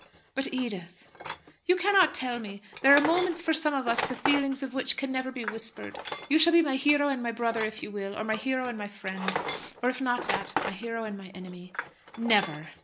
"But, Edith " "You cannot tell me. There are moments for some of us the feelings of which can never be whispered. You shall be my hero and my brother if you will; or my hero and my friend; or, if not that, my hero and my enemy." "Never!"